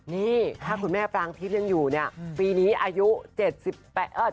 นี่ถ้าคุณแม่ปรางทิพย์ยังอยู่เนี่ยปีนี้อายุเจ็ดสิบแปดเอ่อ